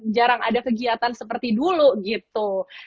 jarang ada kegiatan seperti dulu gitu